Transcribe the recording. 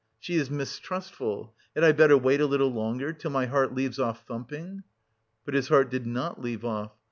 She is mistrustful.... Had I better wait a little longer... till my heart leaves off thumping?" But his heart did not leave off.